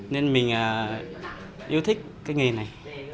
nên mình yêu thích cái nghề này